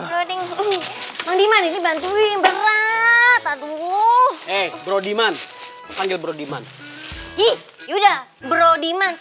hai bro dima di sini bantuin berat aduh bro diman tanggal bro diman yuda bro diman